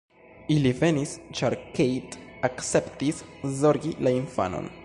Ili venis ĉar Kate akceptis zorgi la infanon.